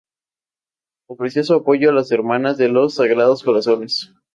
Ofreció su apoyo a las Hermanas de los Sagrados Corazones.